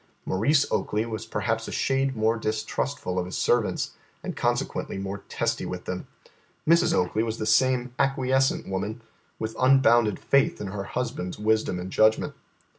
Maurice Oakley was perhaps a shade more distrustful of his servants, and consequently more testy with them. Mrs. Oakley was the same acquiescent woman, with unbounded faith in her husband's wisdom and judgment.